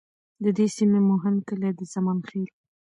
د دې سیمې مهم کلي د زمان خیل،